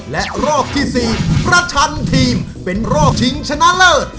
และรอบที่๔ประชันทีมเป็นรอบชิงชนะเลิศ